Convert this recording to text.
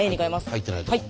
入ってないとこ。